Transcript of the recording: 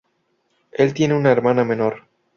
Él tiene una hermana menor.